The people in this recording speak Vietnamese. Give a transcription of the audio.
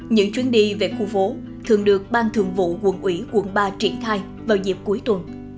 những chuyến đi về khu phố thường được ban thường vụ quận ủy quận ba triển khai vào dịp cuối tuần